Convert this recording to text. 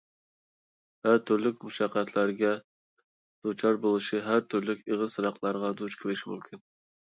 ھەر تۈرلۈك مۇشەققەتلەرگە دۇچار بولۇشى، ھەر تۈرلۈك ئېغىر سىناقلارغا دۇچ كېلىشى مۇمكىن.